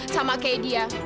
sama kayak dia